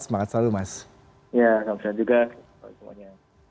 semangat selalu mas ya salam sehat juga